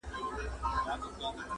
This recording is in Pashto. • خو د عقل څښتن کړی یې انسان دی -